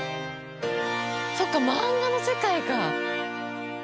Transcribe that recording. そっかマンガの世界か！